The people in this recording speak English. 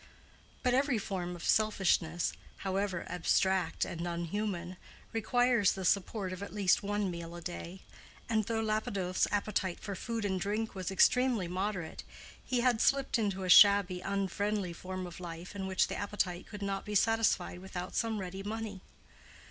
But every form of selfishness, however abstract and unhuman, requires the support of at least one meal a day; and though Lapidoth's appetite for food and drink was extremely moderate, he had slipped into a shabby, unfriendly form of life in which the appetite could not be satisfied without some ready money.